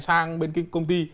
sang bên cái công ty